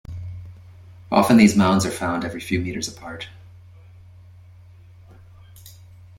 Often these mounds are found every few metres apart.